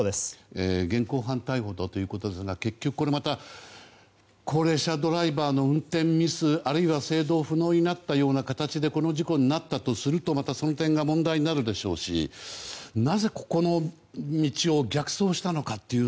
現行犯逮捕だということですが結局、これまた高齢者ドライバーの運転ミスあるいは制動不能になったような形でこの事故になったとするとまたその点が問題になるでしょうしなぜここの道を逆走したのかという。